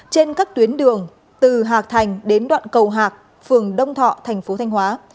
trên các tuyến đường từ hạc thành đến đoạn cầu hạc phường đông thọ thành phố thanh hóa